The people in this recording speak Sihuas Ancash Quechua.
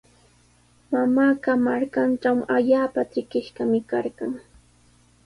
Mamaaqa markantraw allaapa trikishqami karqan.